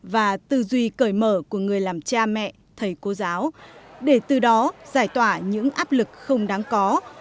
và tư duy cởi mở của người làm cha mẹ thầy cô giáo để từ đó giải tỏa những áp lực không đáng có